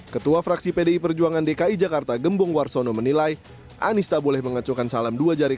ketua fraksi pdi perjuangan dki jakarta gembong warsono menilai anies tak boleh mengecohkan salam dua jari